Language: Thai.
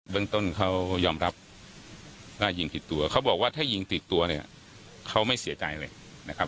เรื่องต้นเขายอมรับว่ายิงผิดตัวเขาบอกว่าถ้ายิงติดตัวเนี่ยเขาไม่เสียใจเลยนะครับ